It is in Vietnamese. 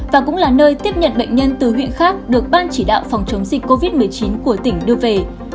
và cũng là nơi tiếp nhận bệnh nhân từ huyện khác được ban chỉ đạo phòng chống dịch covid một mươi chín của tỉnh đưa về